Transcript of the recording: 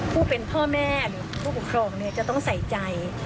ผู้เป็นพ่อแม่หรือผู้ปกครองจะต้องใส่ใจ